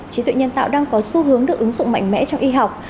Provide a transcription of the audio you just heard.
trí tuệ nhân tạo đang có xu hướng được ứng dụng mạnh mẽ trong y học